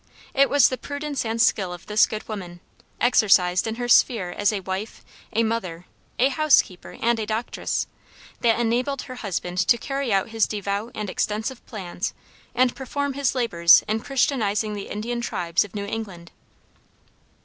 It was the prudence and skill of this good woman, exercised in her sphere as a wife, a mother, a housekeeper, and a doctress, that enabled her husband to carry out his devout and extensive plans and perform his labors in Christianizing the Indian tribes of New England.